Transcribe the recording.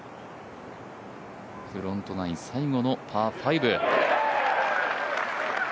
フロントナイン最後のパー５。